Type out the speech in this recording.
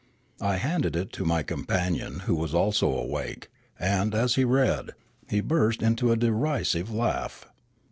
I handed it to my companion, who was also awake, and, as he read, he burst into a derisive laugh.